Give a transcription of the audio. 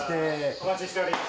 お待ちしておりました。